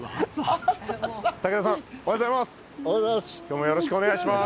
竹田さんおはようございます。